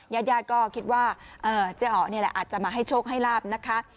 ญาติญาติก็คิดว่าเจ๊อ๋อนี่แหละอาจจะมาให้โชคให้ลาบนะคะ